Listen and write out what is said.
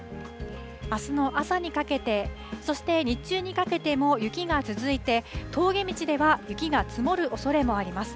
あすの朝にかけて、そして日中にかけても雪が続いて、峠道では雪が積もるおそれもあります。